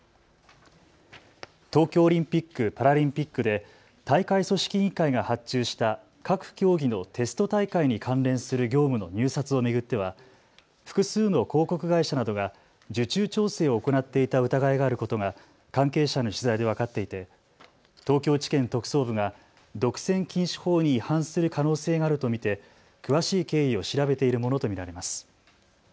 東京オリンピック・パラリンピックで大会組織委員会が発注した各競技のテスト大会に関連する業務の入札を巡っては複数の広告会社などが受注調整を行っていた疑いがあることが関係者への取材で分かっていて、東京地検特捜部が独占禁止法に違反する可能性があると見て詳しい経緯を調べているものと見られます。